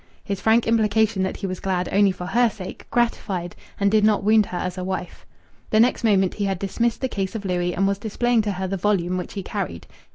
His frank implication that he was glad only for her sake gratified and did not wound her as a wife. The next moment he had dismissed the case of Louis and was displaying to her the volume which he carried.